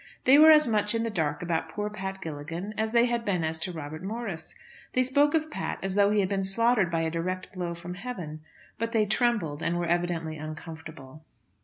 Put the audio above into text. They were as much in the dark about poor Pat Gilligan as they had been as to Mr. Robert Morris. They spoke of Pat as though he had been slaughtered by a direct blow from heaven; but they trembled, and were evidently uncomfortable.